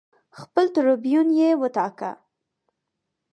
خپل ټربیون یې وټاکه